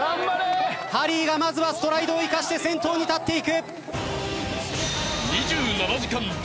ハリーがまずはストライドを生かして先頭に立っていく。